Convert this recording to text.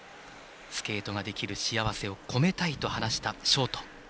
スケートができる幸せをこめたいと話したショート。